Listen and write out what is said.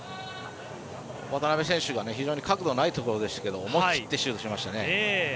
渡辺選手が角度のないところでしたが思い切ってシュートしました。